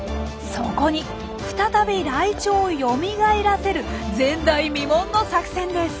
そこに再びライチョウをよみがえらせる前代未聞の作戦です。